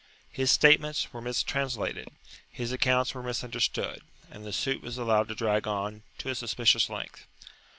His statements were mistranslated, his accounts were misunderstood, and the suit was allowed to drag on to a suspicious length.